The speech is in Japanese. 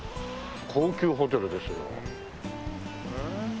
高級ホテルですよ。